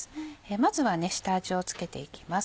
まずは下味を付けていきます。